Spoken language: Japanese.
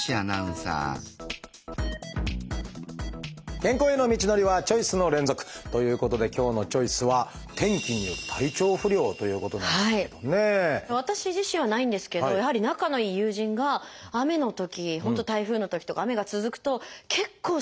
健康への道のりはチョイスの連続！ということで今日の「チョイス」は私自身はないんですけどやはり仲のいい友人が雨のとき本当台風のときとか雨が続くと結構しんどそうで。